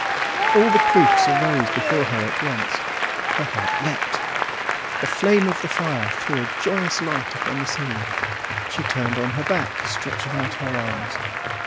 All the proofs arose before her at once; her heart leapt. The flame of the fire threw a joyous light upon the ceiling; she turned on her back, stretching out her arms.